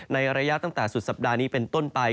ในระยะตั้งแต่สุดสัปดาห์นี้เป็นต้นไป